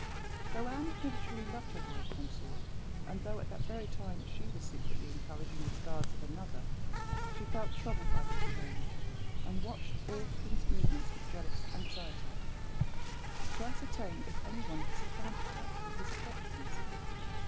Though Anne had never truly loved her royal consort, and though at that very time she was secretly encouraging the regards of another, she felt troubled by this change, and watched all the king's movements with jealous anxiety, to ascertain if any one had supplanted her in his affections.